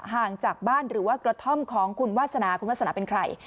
ห่างจากบ้านหรือว่ากระท่อมของคุณวาสนาคุณวาสนาเป็นใคร